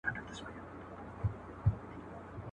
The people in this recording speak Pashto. • لوړ ځاى نه و، کښته زه نه کښېنستم.